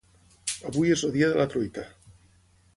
Avui és el dia de la truita.